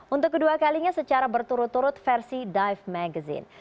untuk kedua kalinya secara berturut turut versi dive magazine